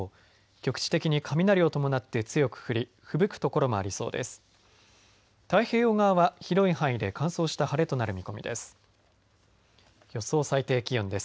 局地的に雷を伴って強く降りふぶく所もありそうです。